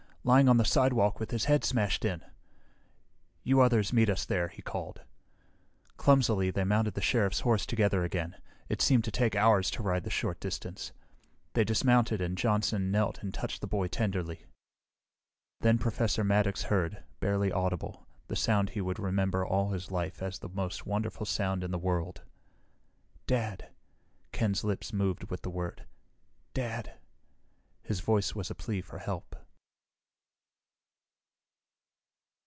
Lying on the sidewalk with his head smashed in." "You others meet us there," he called. Clumsily, they mounted the Sheriff's horse together again. It seemed to take hours to ride the short distance. They dismounted and Johnson knelt and touched the boy tenderly. Then Professor Maddox heard, barely audible, the sound he would remember all his life as the most wonderful sound in the world. "Dad...." Ken's lips moved with the word. "Dad...." His voice was a plea for help.